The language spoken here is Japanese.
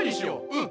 うん。